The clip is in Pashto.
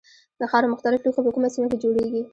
د خاورو مختلف لوښي په کومه سیمه کې جوړیږي.